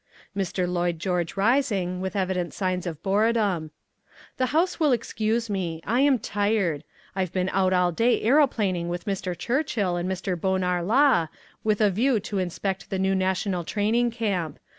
Mr. Lloyd George rising, with evident signs of boredom. "The House will excuse me. I am tired. I have been out all day aeroplaning with Mr. Churchill and Mr. Bonar Law, with a view to inspect the new national training camp.